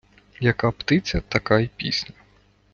Яка птиця, така й пісня.